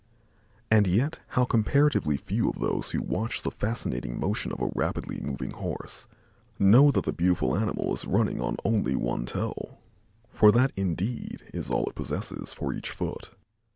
And yet how comparatively few of those who watch the fascinating motion of a rapidly moving Horse know that the beautiful animal is running on only one toe, for that indeed is all it possesses for each foot.